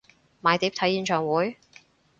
買碟睇演唱會？